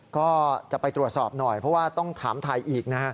ก็จะไปตรวจสอบหน่อยเพราะว่าต้องถามไทยอีกนะฮะ